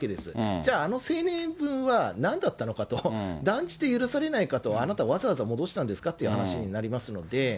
じゃああの声明文はなんだったのかと、断じて許されないと、あなた、わざわざ戻したんですかという話になりますので。